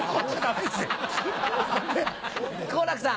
好楽さん。